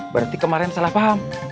berarti kemarin salah paham